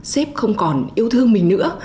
xếp không còn yêu thương mình nữa